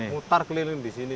mutar keliling di sini